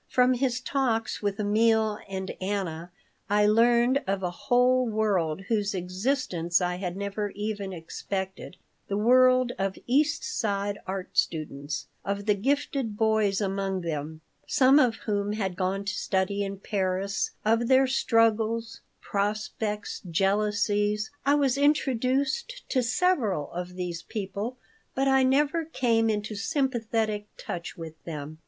From his talks with Emil and Anna I learned of a whole world whose existence I had never even suspected the world of East Side art students, of the gifted boys among them, some of whom had gone to study in Paris, of their struggles, prospects, jealousies. I was introduced to several of these people, but I never came into sympathetic touch with them.